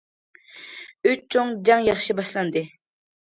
— ئۈچ چوڭ جەڭ ياخشى باشلاندى.